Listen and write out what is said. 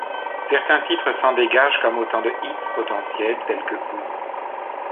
Certains titres s’en dégagent comme autant de hits potentiels tels que ' ou '.